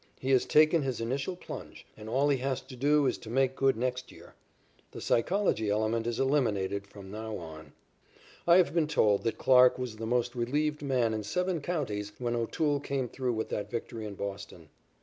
He has taken his initial plunge, and all he has to do is to make good next year. The psychology element is eliminated from now on. I have been told that Clarke was the most relieved man in seven counties when O'Toole came through with that victory in Boston.